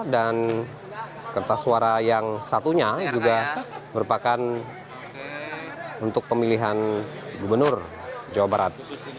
dan kertas suara yang satunya juga merupakan untuk pemilihan gubernur jawa barat